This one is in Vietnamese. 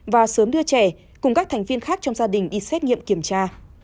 và sớm đưa trẻ cùng các thành viên khác trong gia đình đi xét nghiệm kiểm tra